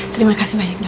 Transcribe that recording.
terima kasih banyak dok